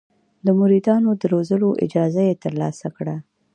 د مریدانو د روزلو اجازه یې ترلاسه کړه.